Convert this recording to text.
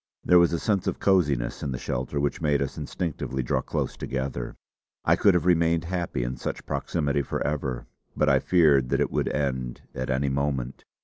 There was a sense of cosiness in the shelter which made us instinctively draw close together. I could have remained happy in such proximity forever, but I feared that it would end at any moment.